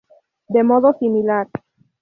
De modo similar.